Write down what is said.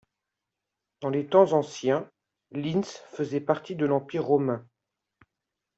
Dans les temps anciens, Linz faisait partie de l'Empire romain.